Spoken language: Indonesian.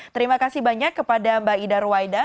terima kasih banyak kepada mbak ida ruwaida